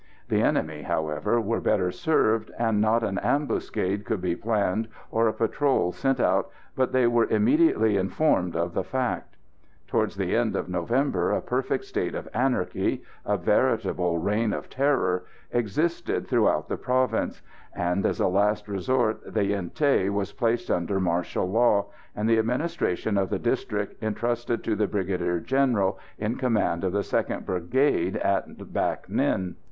The enemy, however, were better served, and not an ambuscade could be planned or a patrol sent out but they were immediately informed of the fact. Towards the end of November a perfect state of anarchy, a veritable reign of terror, existed throughout the province; and, as a last resource, the Yen Thé was placed under martial law, and the administration of the district entrusted to the Brigadier General in command of the 2nd Brigade at Bac Ninh.